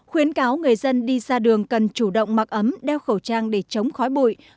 khuyến cáo người dân đi ra đường cần chủ động mặc ấm đeo khẩu trang để chống khói bụi